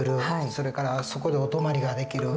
それからそこでお泊まりができる。